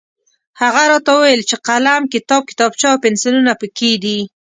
هغه راته وویل چې قلم، کتاب، کتابچه او پنسلونه پکې دي.